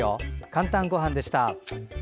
「かんたんごはん」でした。